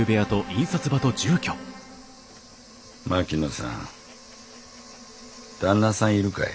槙野さん旦那さんいるかい？